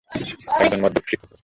একজন মদ্যপ শিক্ষকের।